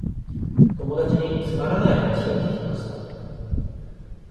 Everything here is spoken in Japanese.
友達につまらない話を聞きました。